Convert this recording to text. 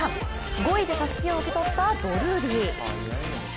５位でたすきを受け取ったドルーリー。